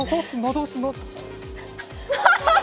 どうするの？